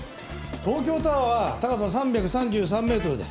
東京タワーは高さ３３３メートルだ。